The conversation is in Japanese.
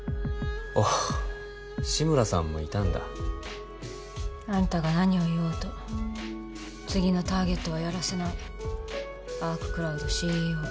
お志村さんもいたんだあんたが何を言おうと次のターゲットは殺らせないアーククラウドＣＥＯ